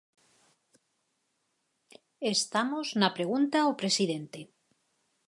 Estamos na pregunta ao presidente.